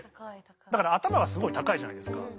だから頭がすごい高いじゃないですか。